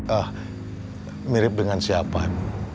ah mirip dengan siapa